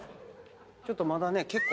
ちょっとまだね結構。